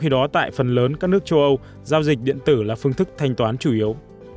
khi đó tại phần lớn các nước châu âu giao dịch điện tử là phương thức thanh toán chủ yếu